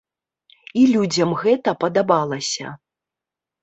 І людзям гэта падабалася.